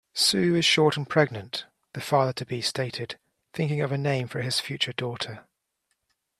"Sue is short and pregnant", the father-to-be stated, thinking of a name for his future daughter.